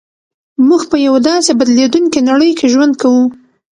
موږ په یوه داسې بدلېدونکې نړۍ کې ژوند کوو